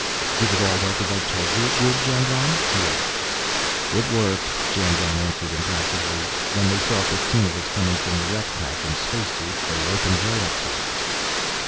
"Did it all work as I told you it would, Jandron?" he asked. "It worked," Jandron answered impassively. "When they saw fifteen of us coming from the wreck pack in space suits, they opened right up to us."